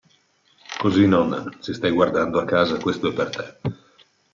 Così nonna, se stai guardando a casa, questo è per te.